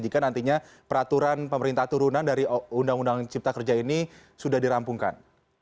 jika nantinya peraturan pemerintah turunan dari undang undang cipta kerja ini sudah dirampungkan